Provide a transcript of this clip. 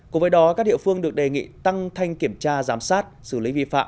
cùng với đó các địa phương được đề nghị tăng thanh kiểm tra giám sát xử lý vi phạm